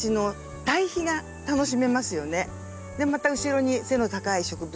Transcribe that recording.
また後ろに背の高い植物